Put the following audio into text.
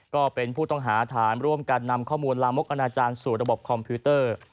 ก็เป็นผู้ต้องหาฐานร่วมกันนำข้อมูลลามกอนาจารย์สู่ระบบคอมพิวเตอร์